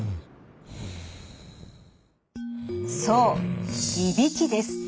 そういびきです。